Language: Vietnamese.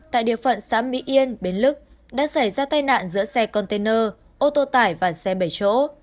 tại địa phận xã mỹ yên bến lức đã xảy ra tai nạn giữa xe container ô tô tải và xe bảy chỗ